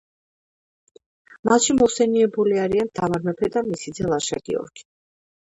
მასში მოხსენიებული არიან თამარ მეფე და მისი ძე ლაშა-გიორგი.